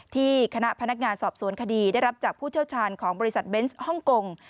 ที่คณะพนักงานสอบสวนคดีได้รับจากผู้เชี่ยวชาญของบริษัทเบนส์ฮ่องกง